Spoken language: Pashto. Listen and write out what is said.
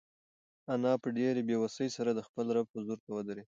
انا په ډېرې بېوسۍ سره د خپل رب حضور ته ودرېده.